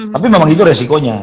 tapi memang itu resikonya